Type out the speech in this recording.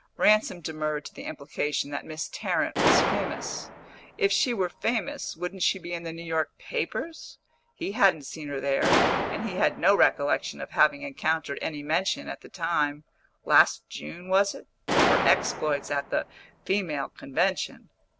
Ransom demurred to the implication that Miss Tarrant was famous; if she were famous, wouldn't she be in the New York papers? He hadn't seen her there, and he had no recollection of having encountered any mention at the time (last June, was it?) of her exploits at the Female Convention.